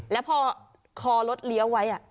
แล้วพอคอรถเลี้ยวไว้